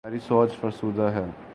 ہماری سوچ فرسودہ ہے۔